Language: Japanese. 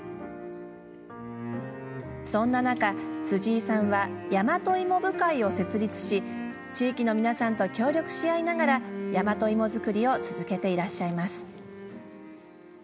そんな中で辻井さんは大和芋部会を設立し地域の皆さんと協力し合いながら大和いも作りを続けていらっしゃいます。